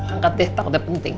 angkat deh takutnya penting